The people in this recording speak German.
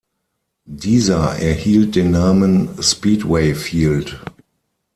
Dieser erhielt den Namen "Speedway Field".